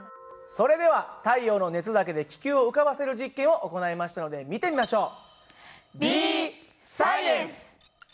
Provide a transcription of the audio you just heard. それでは太陽の熱だけで気球を浮かばせる実験を行いましたので見てみましょう。